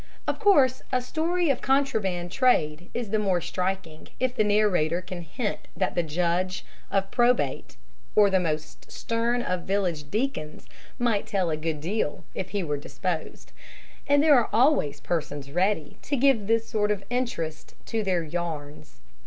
Of course a story of contraband trade is the more striking if the narrator can hint that the judge of probate or the most stern of village deacons might tell a good deal if he were disposed, and there are always persons ready to give this sort of interest to their "yarns."